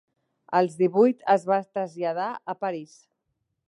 Als divuit es va traslladar a París.